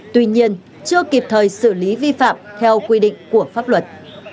tuy nhiên chưa kịp thời xử lý vi phạm theo quy định của pháp luật